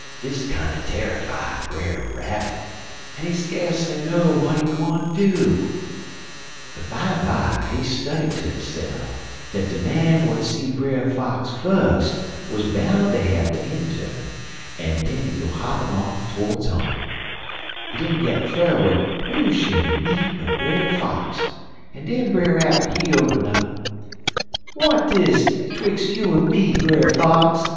"Dis kinder tarrify Brer Rabbit, en he skasely know w'at he gwine do; but bimeby he study ter hisse'f dat de man w'at see Brer Fox fus wuz boun' ter have de inturn, en den he go hoppin' off to'rds home. He didn't got fur w'en who should he meet but Brer Fox, en den Brer Rabbit, he open up: "'W'at dis twix' you en me, Brer Fox?'